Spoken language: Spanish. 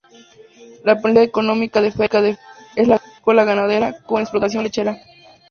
La principal actividad económica de Freyre es la agrícola-ganadera con explotación lechera.